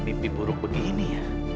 nipi buruk begini ya